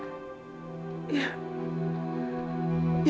ya ya buktinya